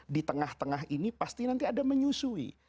di tengah tengah ini pasti nanti ada menyusui